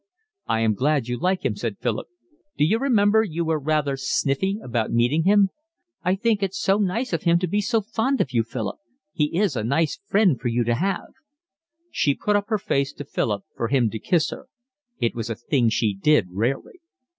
"I am glad you like him," said Philip. "D'you remember you were rather sniffy about meeting him?" "I think it's so nice of him to be so fond of you, Philip. He is a nice friend for you to have." She put up her face to Philip for him to kiss her. It was a thing she did rarely.